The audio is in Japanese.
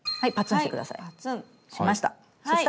しました。